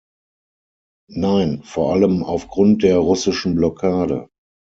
Nein, vor allem aufgrund der russischen Blockade.